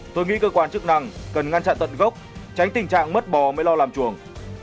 tôi nghĩ cơ quan chức năng cần ngăn chặn tận gốc tránh tình trạng mất bò mới lo làm chuồng